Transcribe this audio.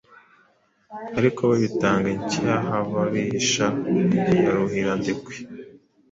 ari we bitaga Incyahababisha ya Rwuhirandekwe